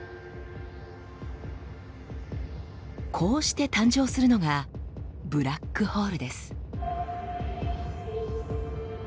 こうして誕生するのがブラックホールです。